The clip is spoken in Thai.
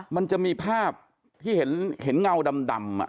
มันจะมีภาพที่เห็นเงาดำ